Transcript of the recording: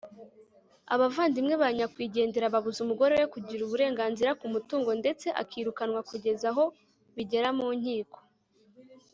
abavandimwe ba nyakwigendera babuza umugore we kugira uburenganzira ku mutungo ndetse akirukanwa kugeza aho bigera mu nkiko